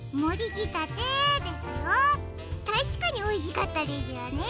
たしかにおいしかったですよね。